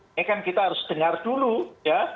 ini kan kita harus dengar dulu ya